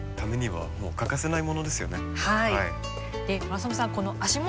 はい。